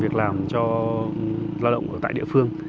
việc làm cho lao động ở tại địa phương